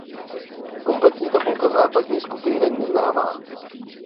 Kompletní tabulka západní skupiny není známá.